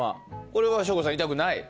これも省吾さん、痛くない？